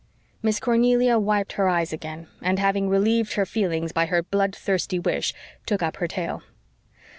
Miss Cornelia wiped her eyes again and having relieved her feelings by her blood thirsty wish, took up her tale.